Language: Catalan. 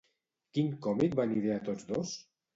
Quin còmic van idear tots dos?